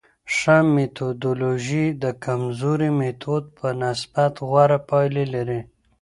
ښه میتودولوژي د کمزوري میتود په نسبت غوره پایلي لري.